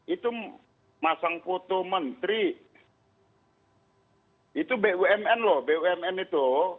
itu masang foto menteri itu bumn loh bumn itu